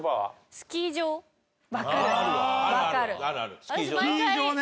スキー場ね。